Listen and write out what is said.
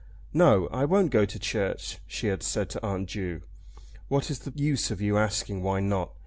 "No; I won't go to church," she had said to Aunt Ju. "What is the use of your asking 'why not?'